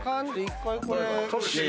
１回これ。